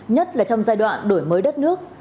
nhất là trong giai đoạn đổi mới đất nước